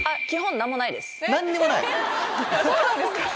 そうなんですか！